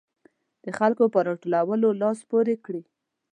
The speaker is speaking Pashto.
د خلکو په راټولولو لاس پورې کړي.